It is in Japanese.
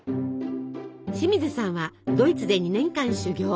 清水さんはドイツで２年間修業。